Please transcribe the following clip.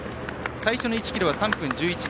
最初の１ｋｍは３分１１秒。